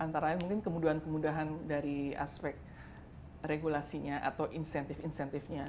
antara lain mungkin kemudahan kemudahan dari aspek regulasinya atau insentif insentifnya